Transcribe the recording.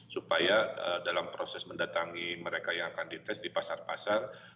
supaya dalam proses mendatangi mereka yang akan dites di pasar pasar